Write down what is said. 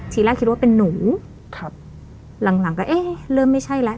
ทีแรกคิดว่าเป็นหนูหลังก็เริ่มไม่ใช่แล้ว